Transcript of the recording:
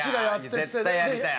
絶対やりたい。